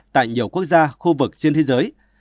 tại nhiều quốc gia khu vực trên thế giới